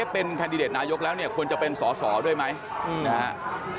เป็นแคนดิเดตนายกแล้วเนี่ยควรจะเป็นสอสอด้วยไหมนะครับ